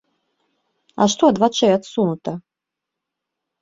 А што ад вачэй адсунута?